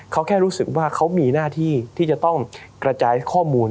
เขาแค่รู้สึกว่าเขามีหน้าที่ที่จะต้องกระจายข้อมูล